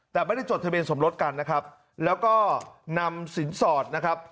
แต่ไม่ได้จดทะเบียนสมรสกันนะครับแล้วก็นำสินสอดนะครับ